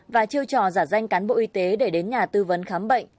và chiêu trò giả danh cán bộ y tế để đến nhà tư vấn khám bệnh